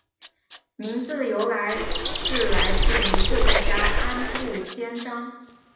名字的由来是来自于设计家安部兼章。